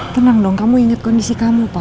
tenang dong kamu ingat kondisi kamu pak